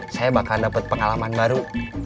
saya bakal dapat pengalaman baru